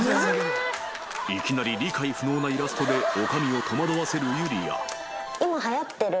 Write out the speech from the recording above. ［いきなり理解不能なイラストで女将を戸惑わせるユリア］